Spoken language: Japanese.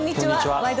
「ワイド！